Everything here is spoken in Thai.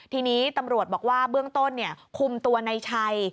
ทีนี้ตำรวจบอกว่าเบื้องต้นคุมตัวในชัย